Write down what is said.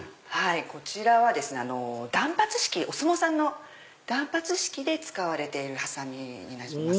こちらは断髪式お相撲さんの断髪式で使われているハサミになります。